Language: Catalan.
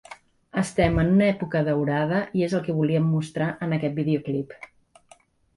Estem en una època daurada i és el que volíem mostrar en aquest videoclip.